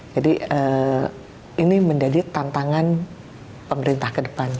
jadi ini menjadi tantangan pemerintah ke depan